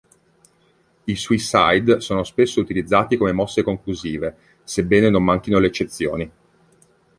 I "suicide" sono spesso utilizzati come mosse conclusive, sebbene non manchino le eccezioni.